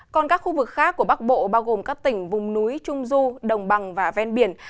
còn các khu vực khác của bắc bộ bao gồm các tỉnh vùng núi trung du đồng bằng và ven biển